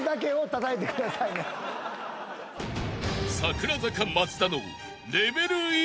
［櫻坂松田の］